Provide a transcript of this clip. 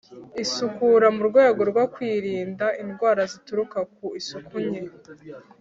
isukura mu rwego rwo kwirinda indwara zituruka ku isuku nke